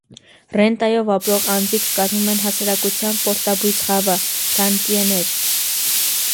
Ռենտայով ապրող անձինք կազմում են հասարակության պորտաբույծ խավը՝ ռանտյեներ։